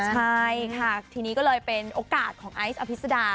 ใช่ค่ะทีนี้ก็เลยเป็นโอกาสของไอซ์อภิษดา